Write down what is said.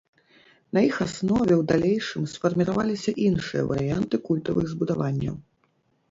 На іх аснове ў далейшым сфарміраваліся іншыя варыянты культавых збудаванняў.